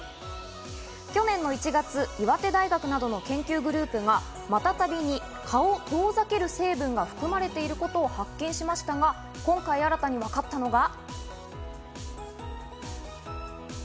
去年の１月、岩手大学などの研究グループがマタタビに蚊を遠ざける成分が含まれていることを発見しましたが、今回新たに分かったのが。